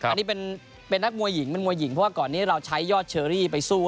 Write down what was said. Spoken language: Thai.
อันนี้เป็นนักมวยหญิงเป็นมวยหญิงเพราะว่าก่อนนี้เราใช้ยอดเชอรี่ไปสู้